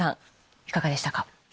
いかがでしたか？